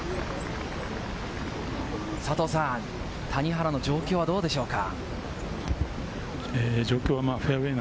佐藤さん、谷原の状況はどうでしょうか？